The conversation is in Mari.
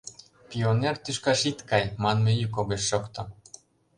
Пионер тӱшкаш ит кай!» манме йӱк огеш шокто.